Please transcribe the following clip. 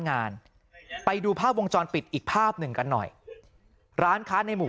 งานไปดูภาพวงจรปิดอีกภาพหนึ่งกันหน่อยร้านค้าในหมู่